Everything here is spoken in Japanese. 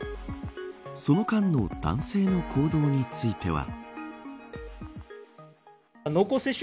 その間の男性の行動については。